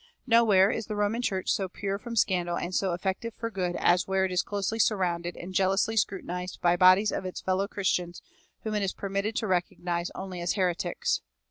Nowhere is the Roman Church so pure from scandal and so effective for good as where it is closely surrounded and jealously scrutinized by bodies of its fellow Christians whom it is permitted to recognize only as heretics.